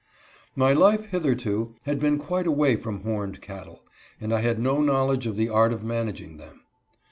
My life, hitherto, had been quite away from horned cattle, and I had no knowledge of the art of managing them.